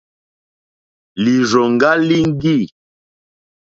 Lìrzòŋɡá líŋɡî.